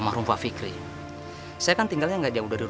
ara fry kalian